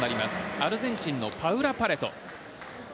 アルゼンチンのパウラ・パレト。